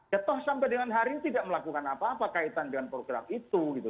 jatuh sampai dengan hari ini tidak melakukan apa apa kaitan dengan program itu